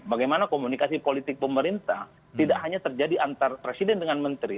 bagaimana komunikasi politik pemerintah tidak hanya terjadi antar presiden dengan menteri